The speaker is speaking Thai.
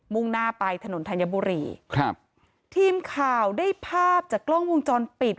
่งหน้าไปถนนธัญบุรีครับทีมข่าวได้ภาพจากกล้องวงจรปิด